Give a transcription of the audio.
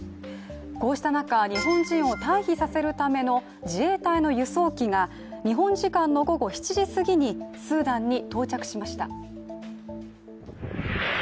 こうした中、日本人を退避させるための自衛隊の輸送機が日本時間の午後７時過ぎにスーダンに到着しました。